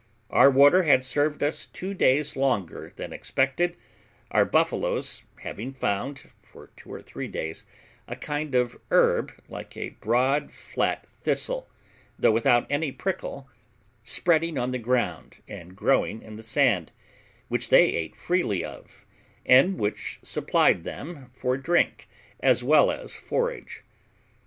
Our water had served us two days longer than expected, our buffaloes having found, for two or three days, a kind of herb like a broad flat thistle, though without any prickle, spreading on the ground, and growing in the sand, which they ate freely of, and which supplied them for drink as well as forage.